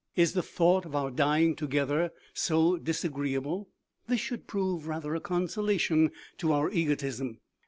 Is the thought of our dying together so disagreeable? This should prove rather a consolation to our egotism.